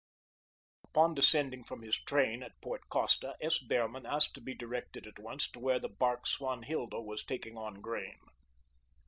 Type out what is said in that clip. Upon descending from his train at Port Costa, S. Behrman asked to be directed at once to where the bark "Swanhilda" was taking on grain.